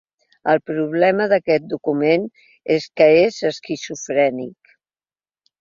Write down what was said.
El problema d’aquest document és que és esquizofrènic.